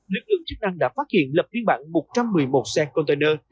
lực lượng chức năng đã phát hiện lập viên bản một trăm một mươi một xe container